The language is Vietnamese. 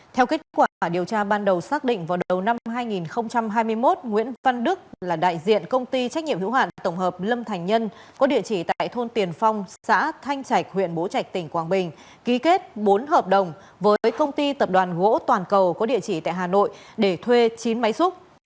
theo kết quả điều tra ban đầu xác định vào đầu năm hai nghìn hai mươi một nguyễn văn đức là đại diện công ty trách nhiệm hữu hạn tổng hợp lâm thành nhân có địa chỉ tại thôn tiền phong xã thanh trạch huyện bố trạch tỉnh quảng bình ký kết bốn hợp đồng với công ty tập đoàn gỗ toàn cầu có địa chỉ tại hà nội để thuê chín máy xúc